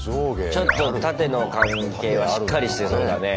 ちょっと縦の関係はしっかりしてそうだね。